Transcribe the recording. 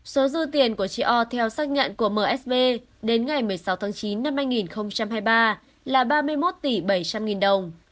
số dư tiền của chị o theo xác nhận của msb đến ngày một mươi sáu tháng chín năm hai nghìn hai mươi ba là ba mươi một tỷ bảy trăm linh nghìn đồng